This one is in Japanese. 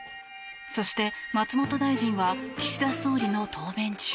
そして、松本大臣は岸田総理の答弁中。